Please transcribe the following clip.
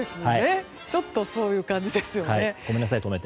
ちょっとそういう感じですよね。